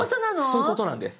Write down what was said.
そういうことなんです。